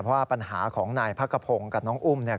เพราะว่าปัญหาของนายพักกระพงศ์กับน้องอุ้มเนี่ย